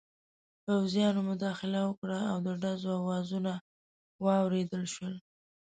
پوځیانو مداخله وکړه او د ډزو اوازونه واورېدل شول.